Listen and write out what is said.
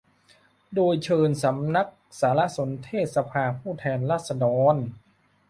โดยเชิญสำนักสารสนเทศสภาผู้แทนราษฎร